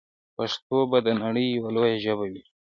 پښتو به د نړۍ یوه لویه ژبه وي.